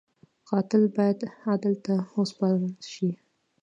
قاتل باید عدل ته وسپارل شي